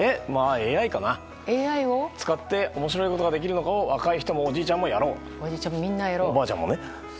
ＡＩを使って面白いことができるかも若い人もおじいちゃんもやろう。